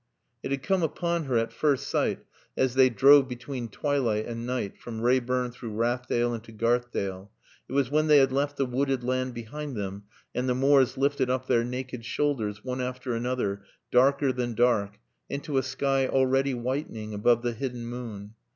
It had come upon her at first sight as they drove between twilight and night from Reyburn through Rathdale into Garthdale. It was when they had left the wooded land behind them and the moors lifted up their naked shoulders, one after another, darker than dark, into a sky already whitening above the hidden moon.